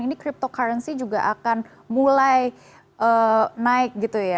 ini cryptocurrency juga akan mulai naik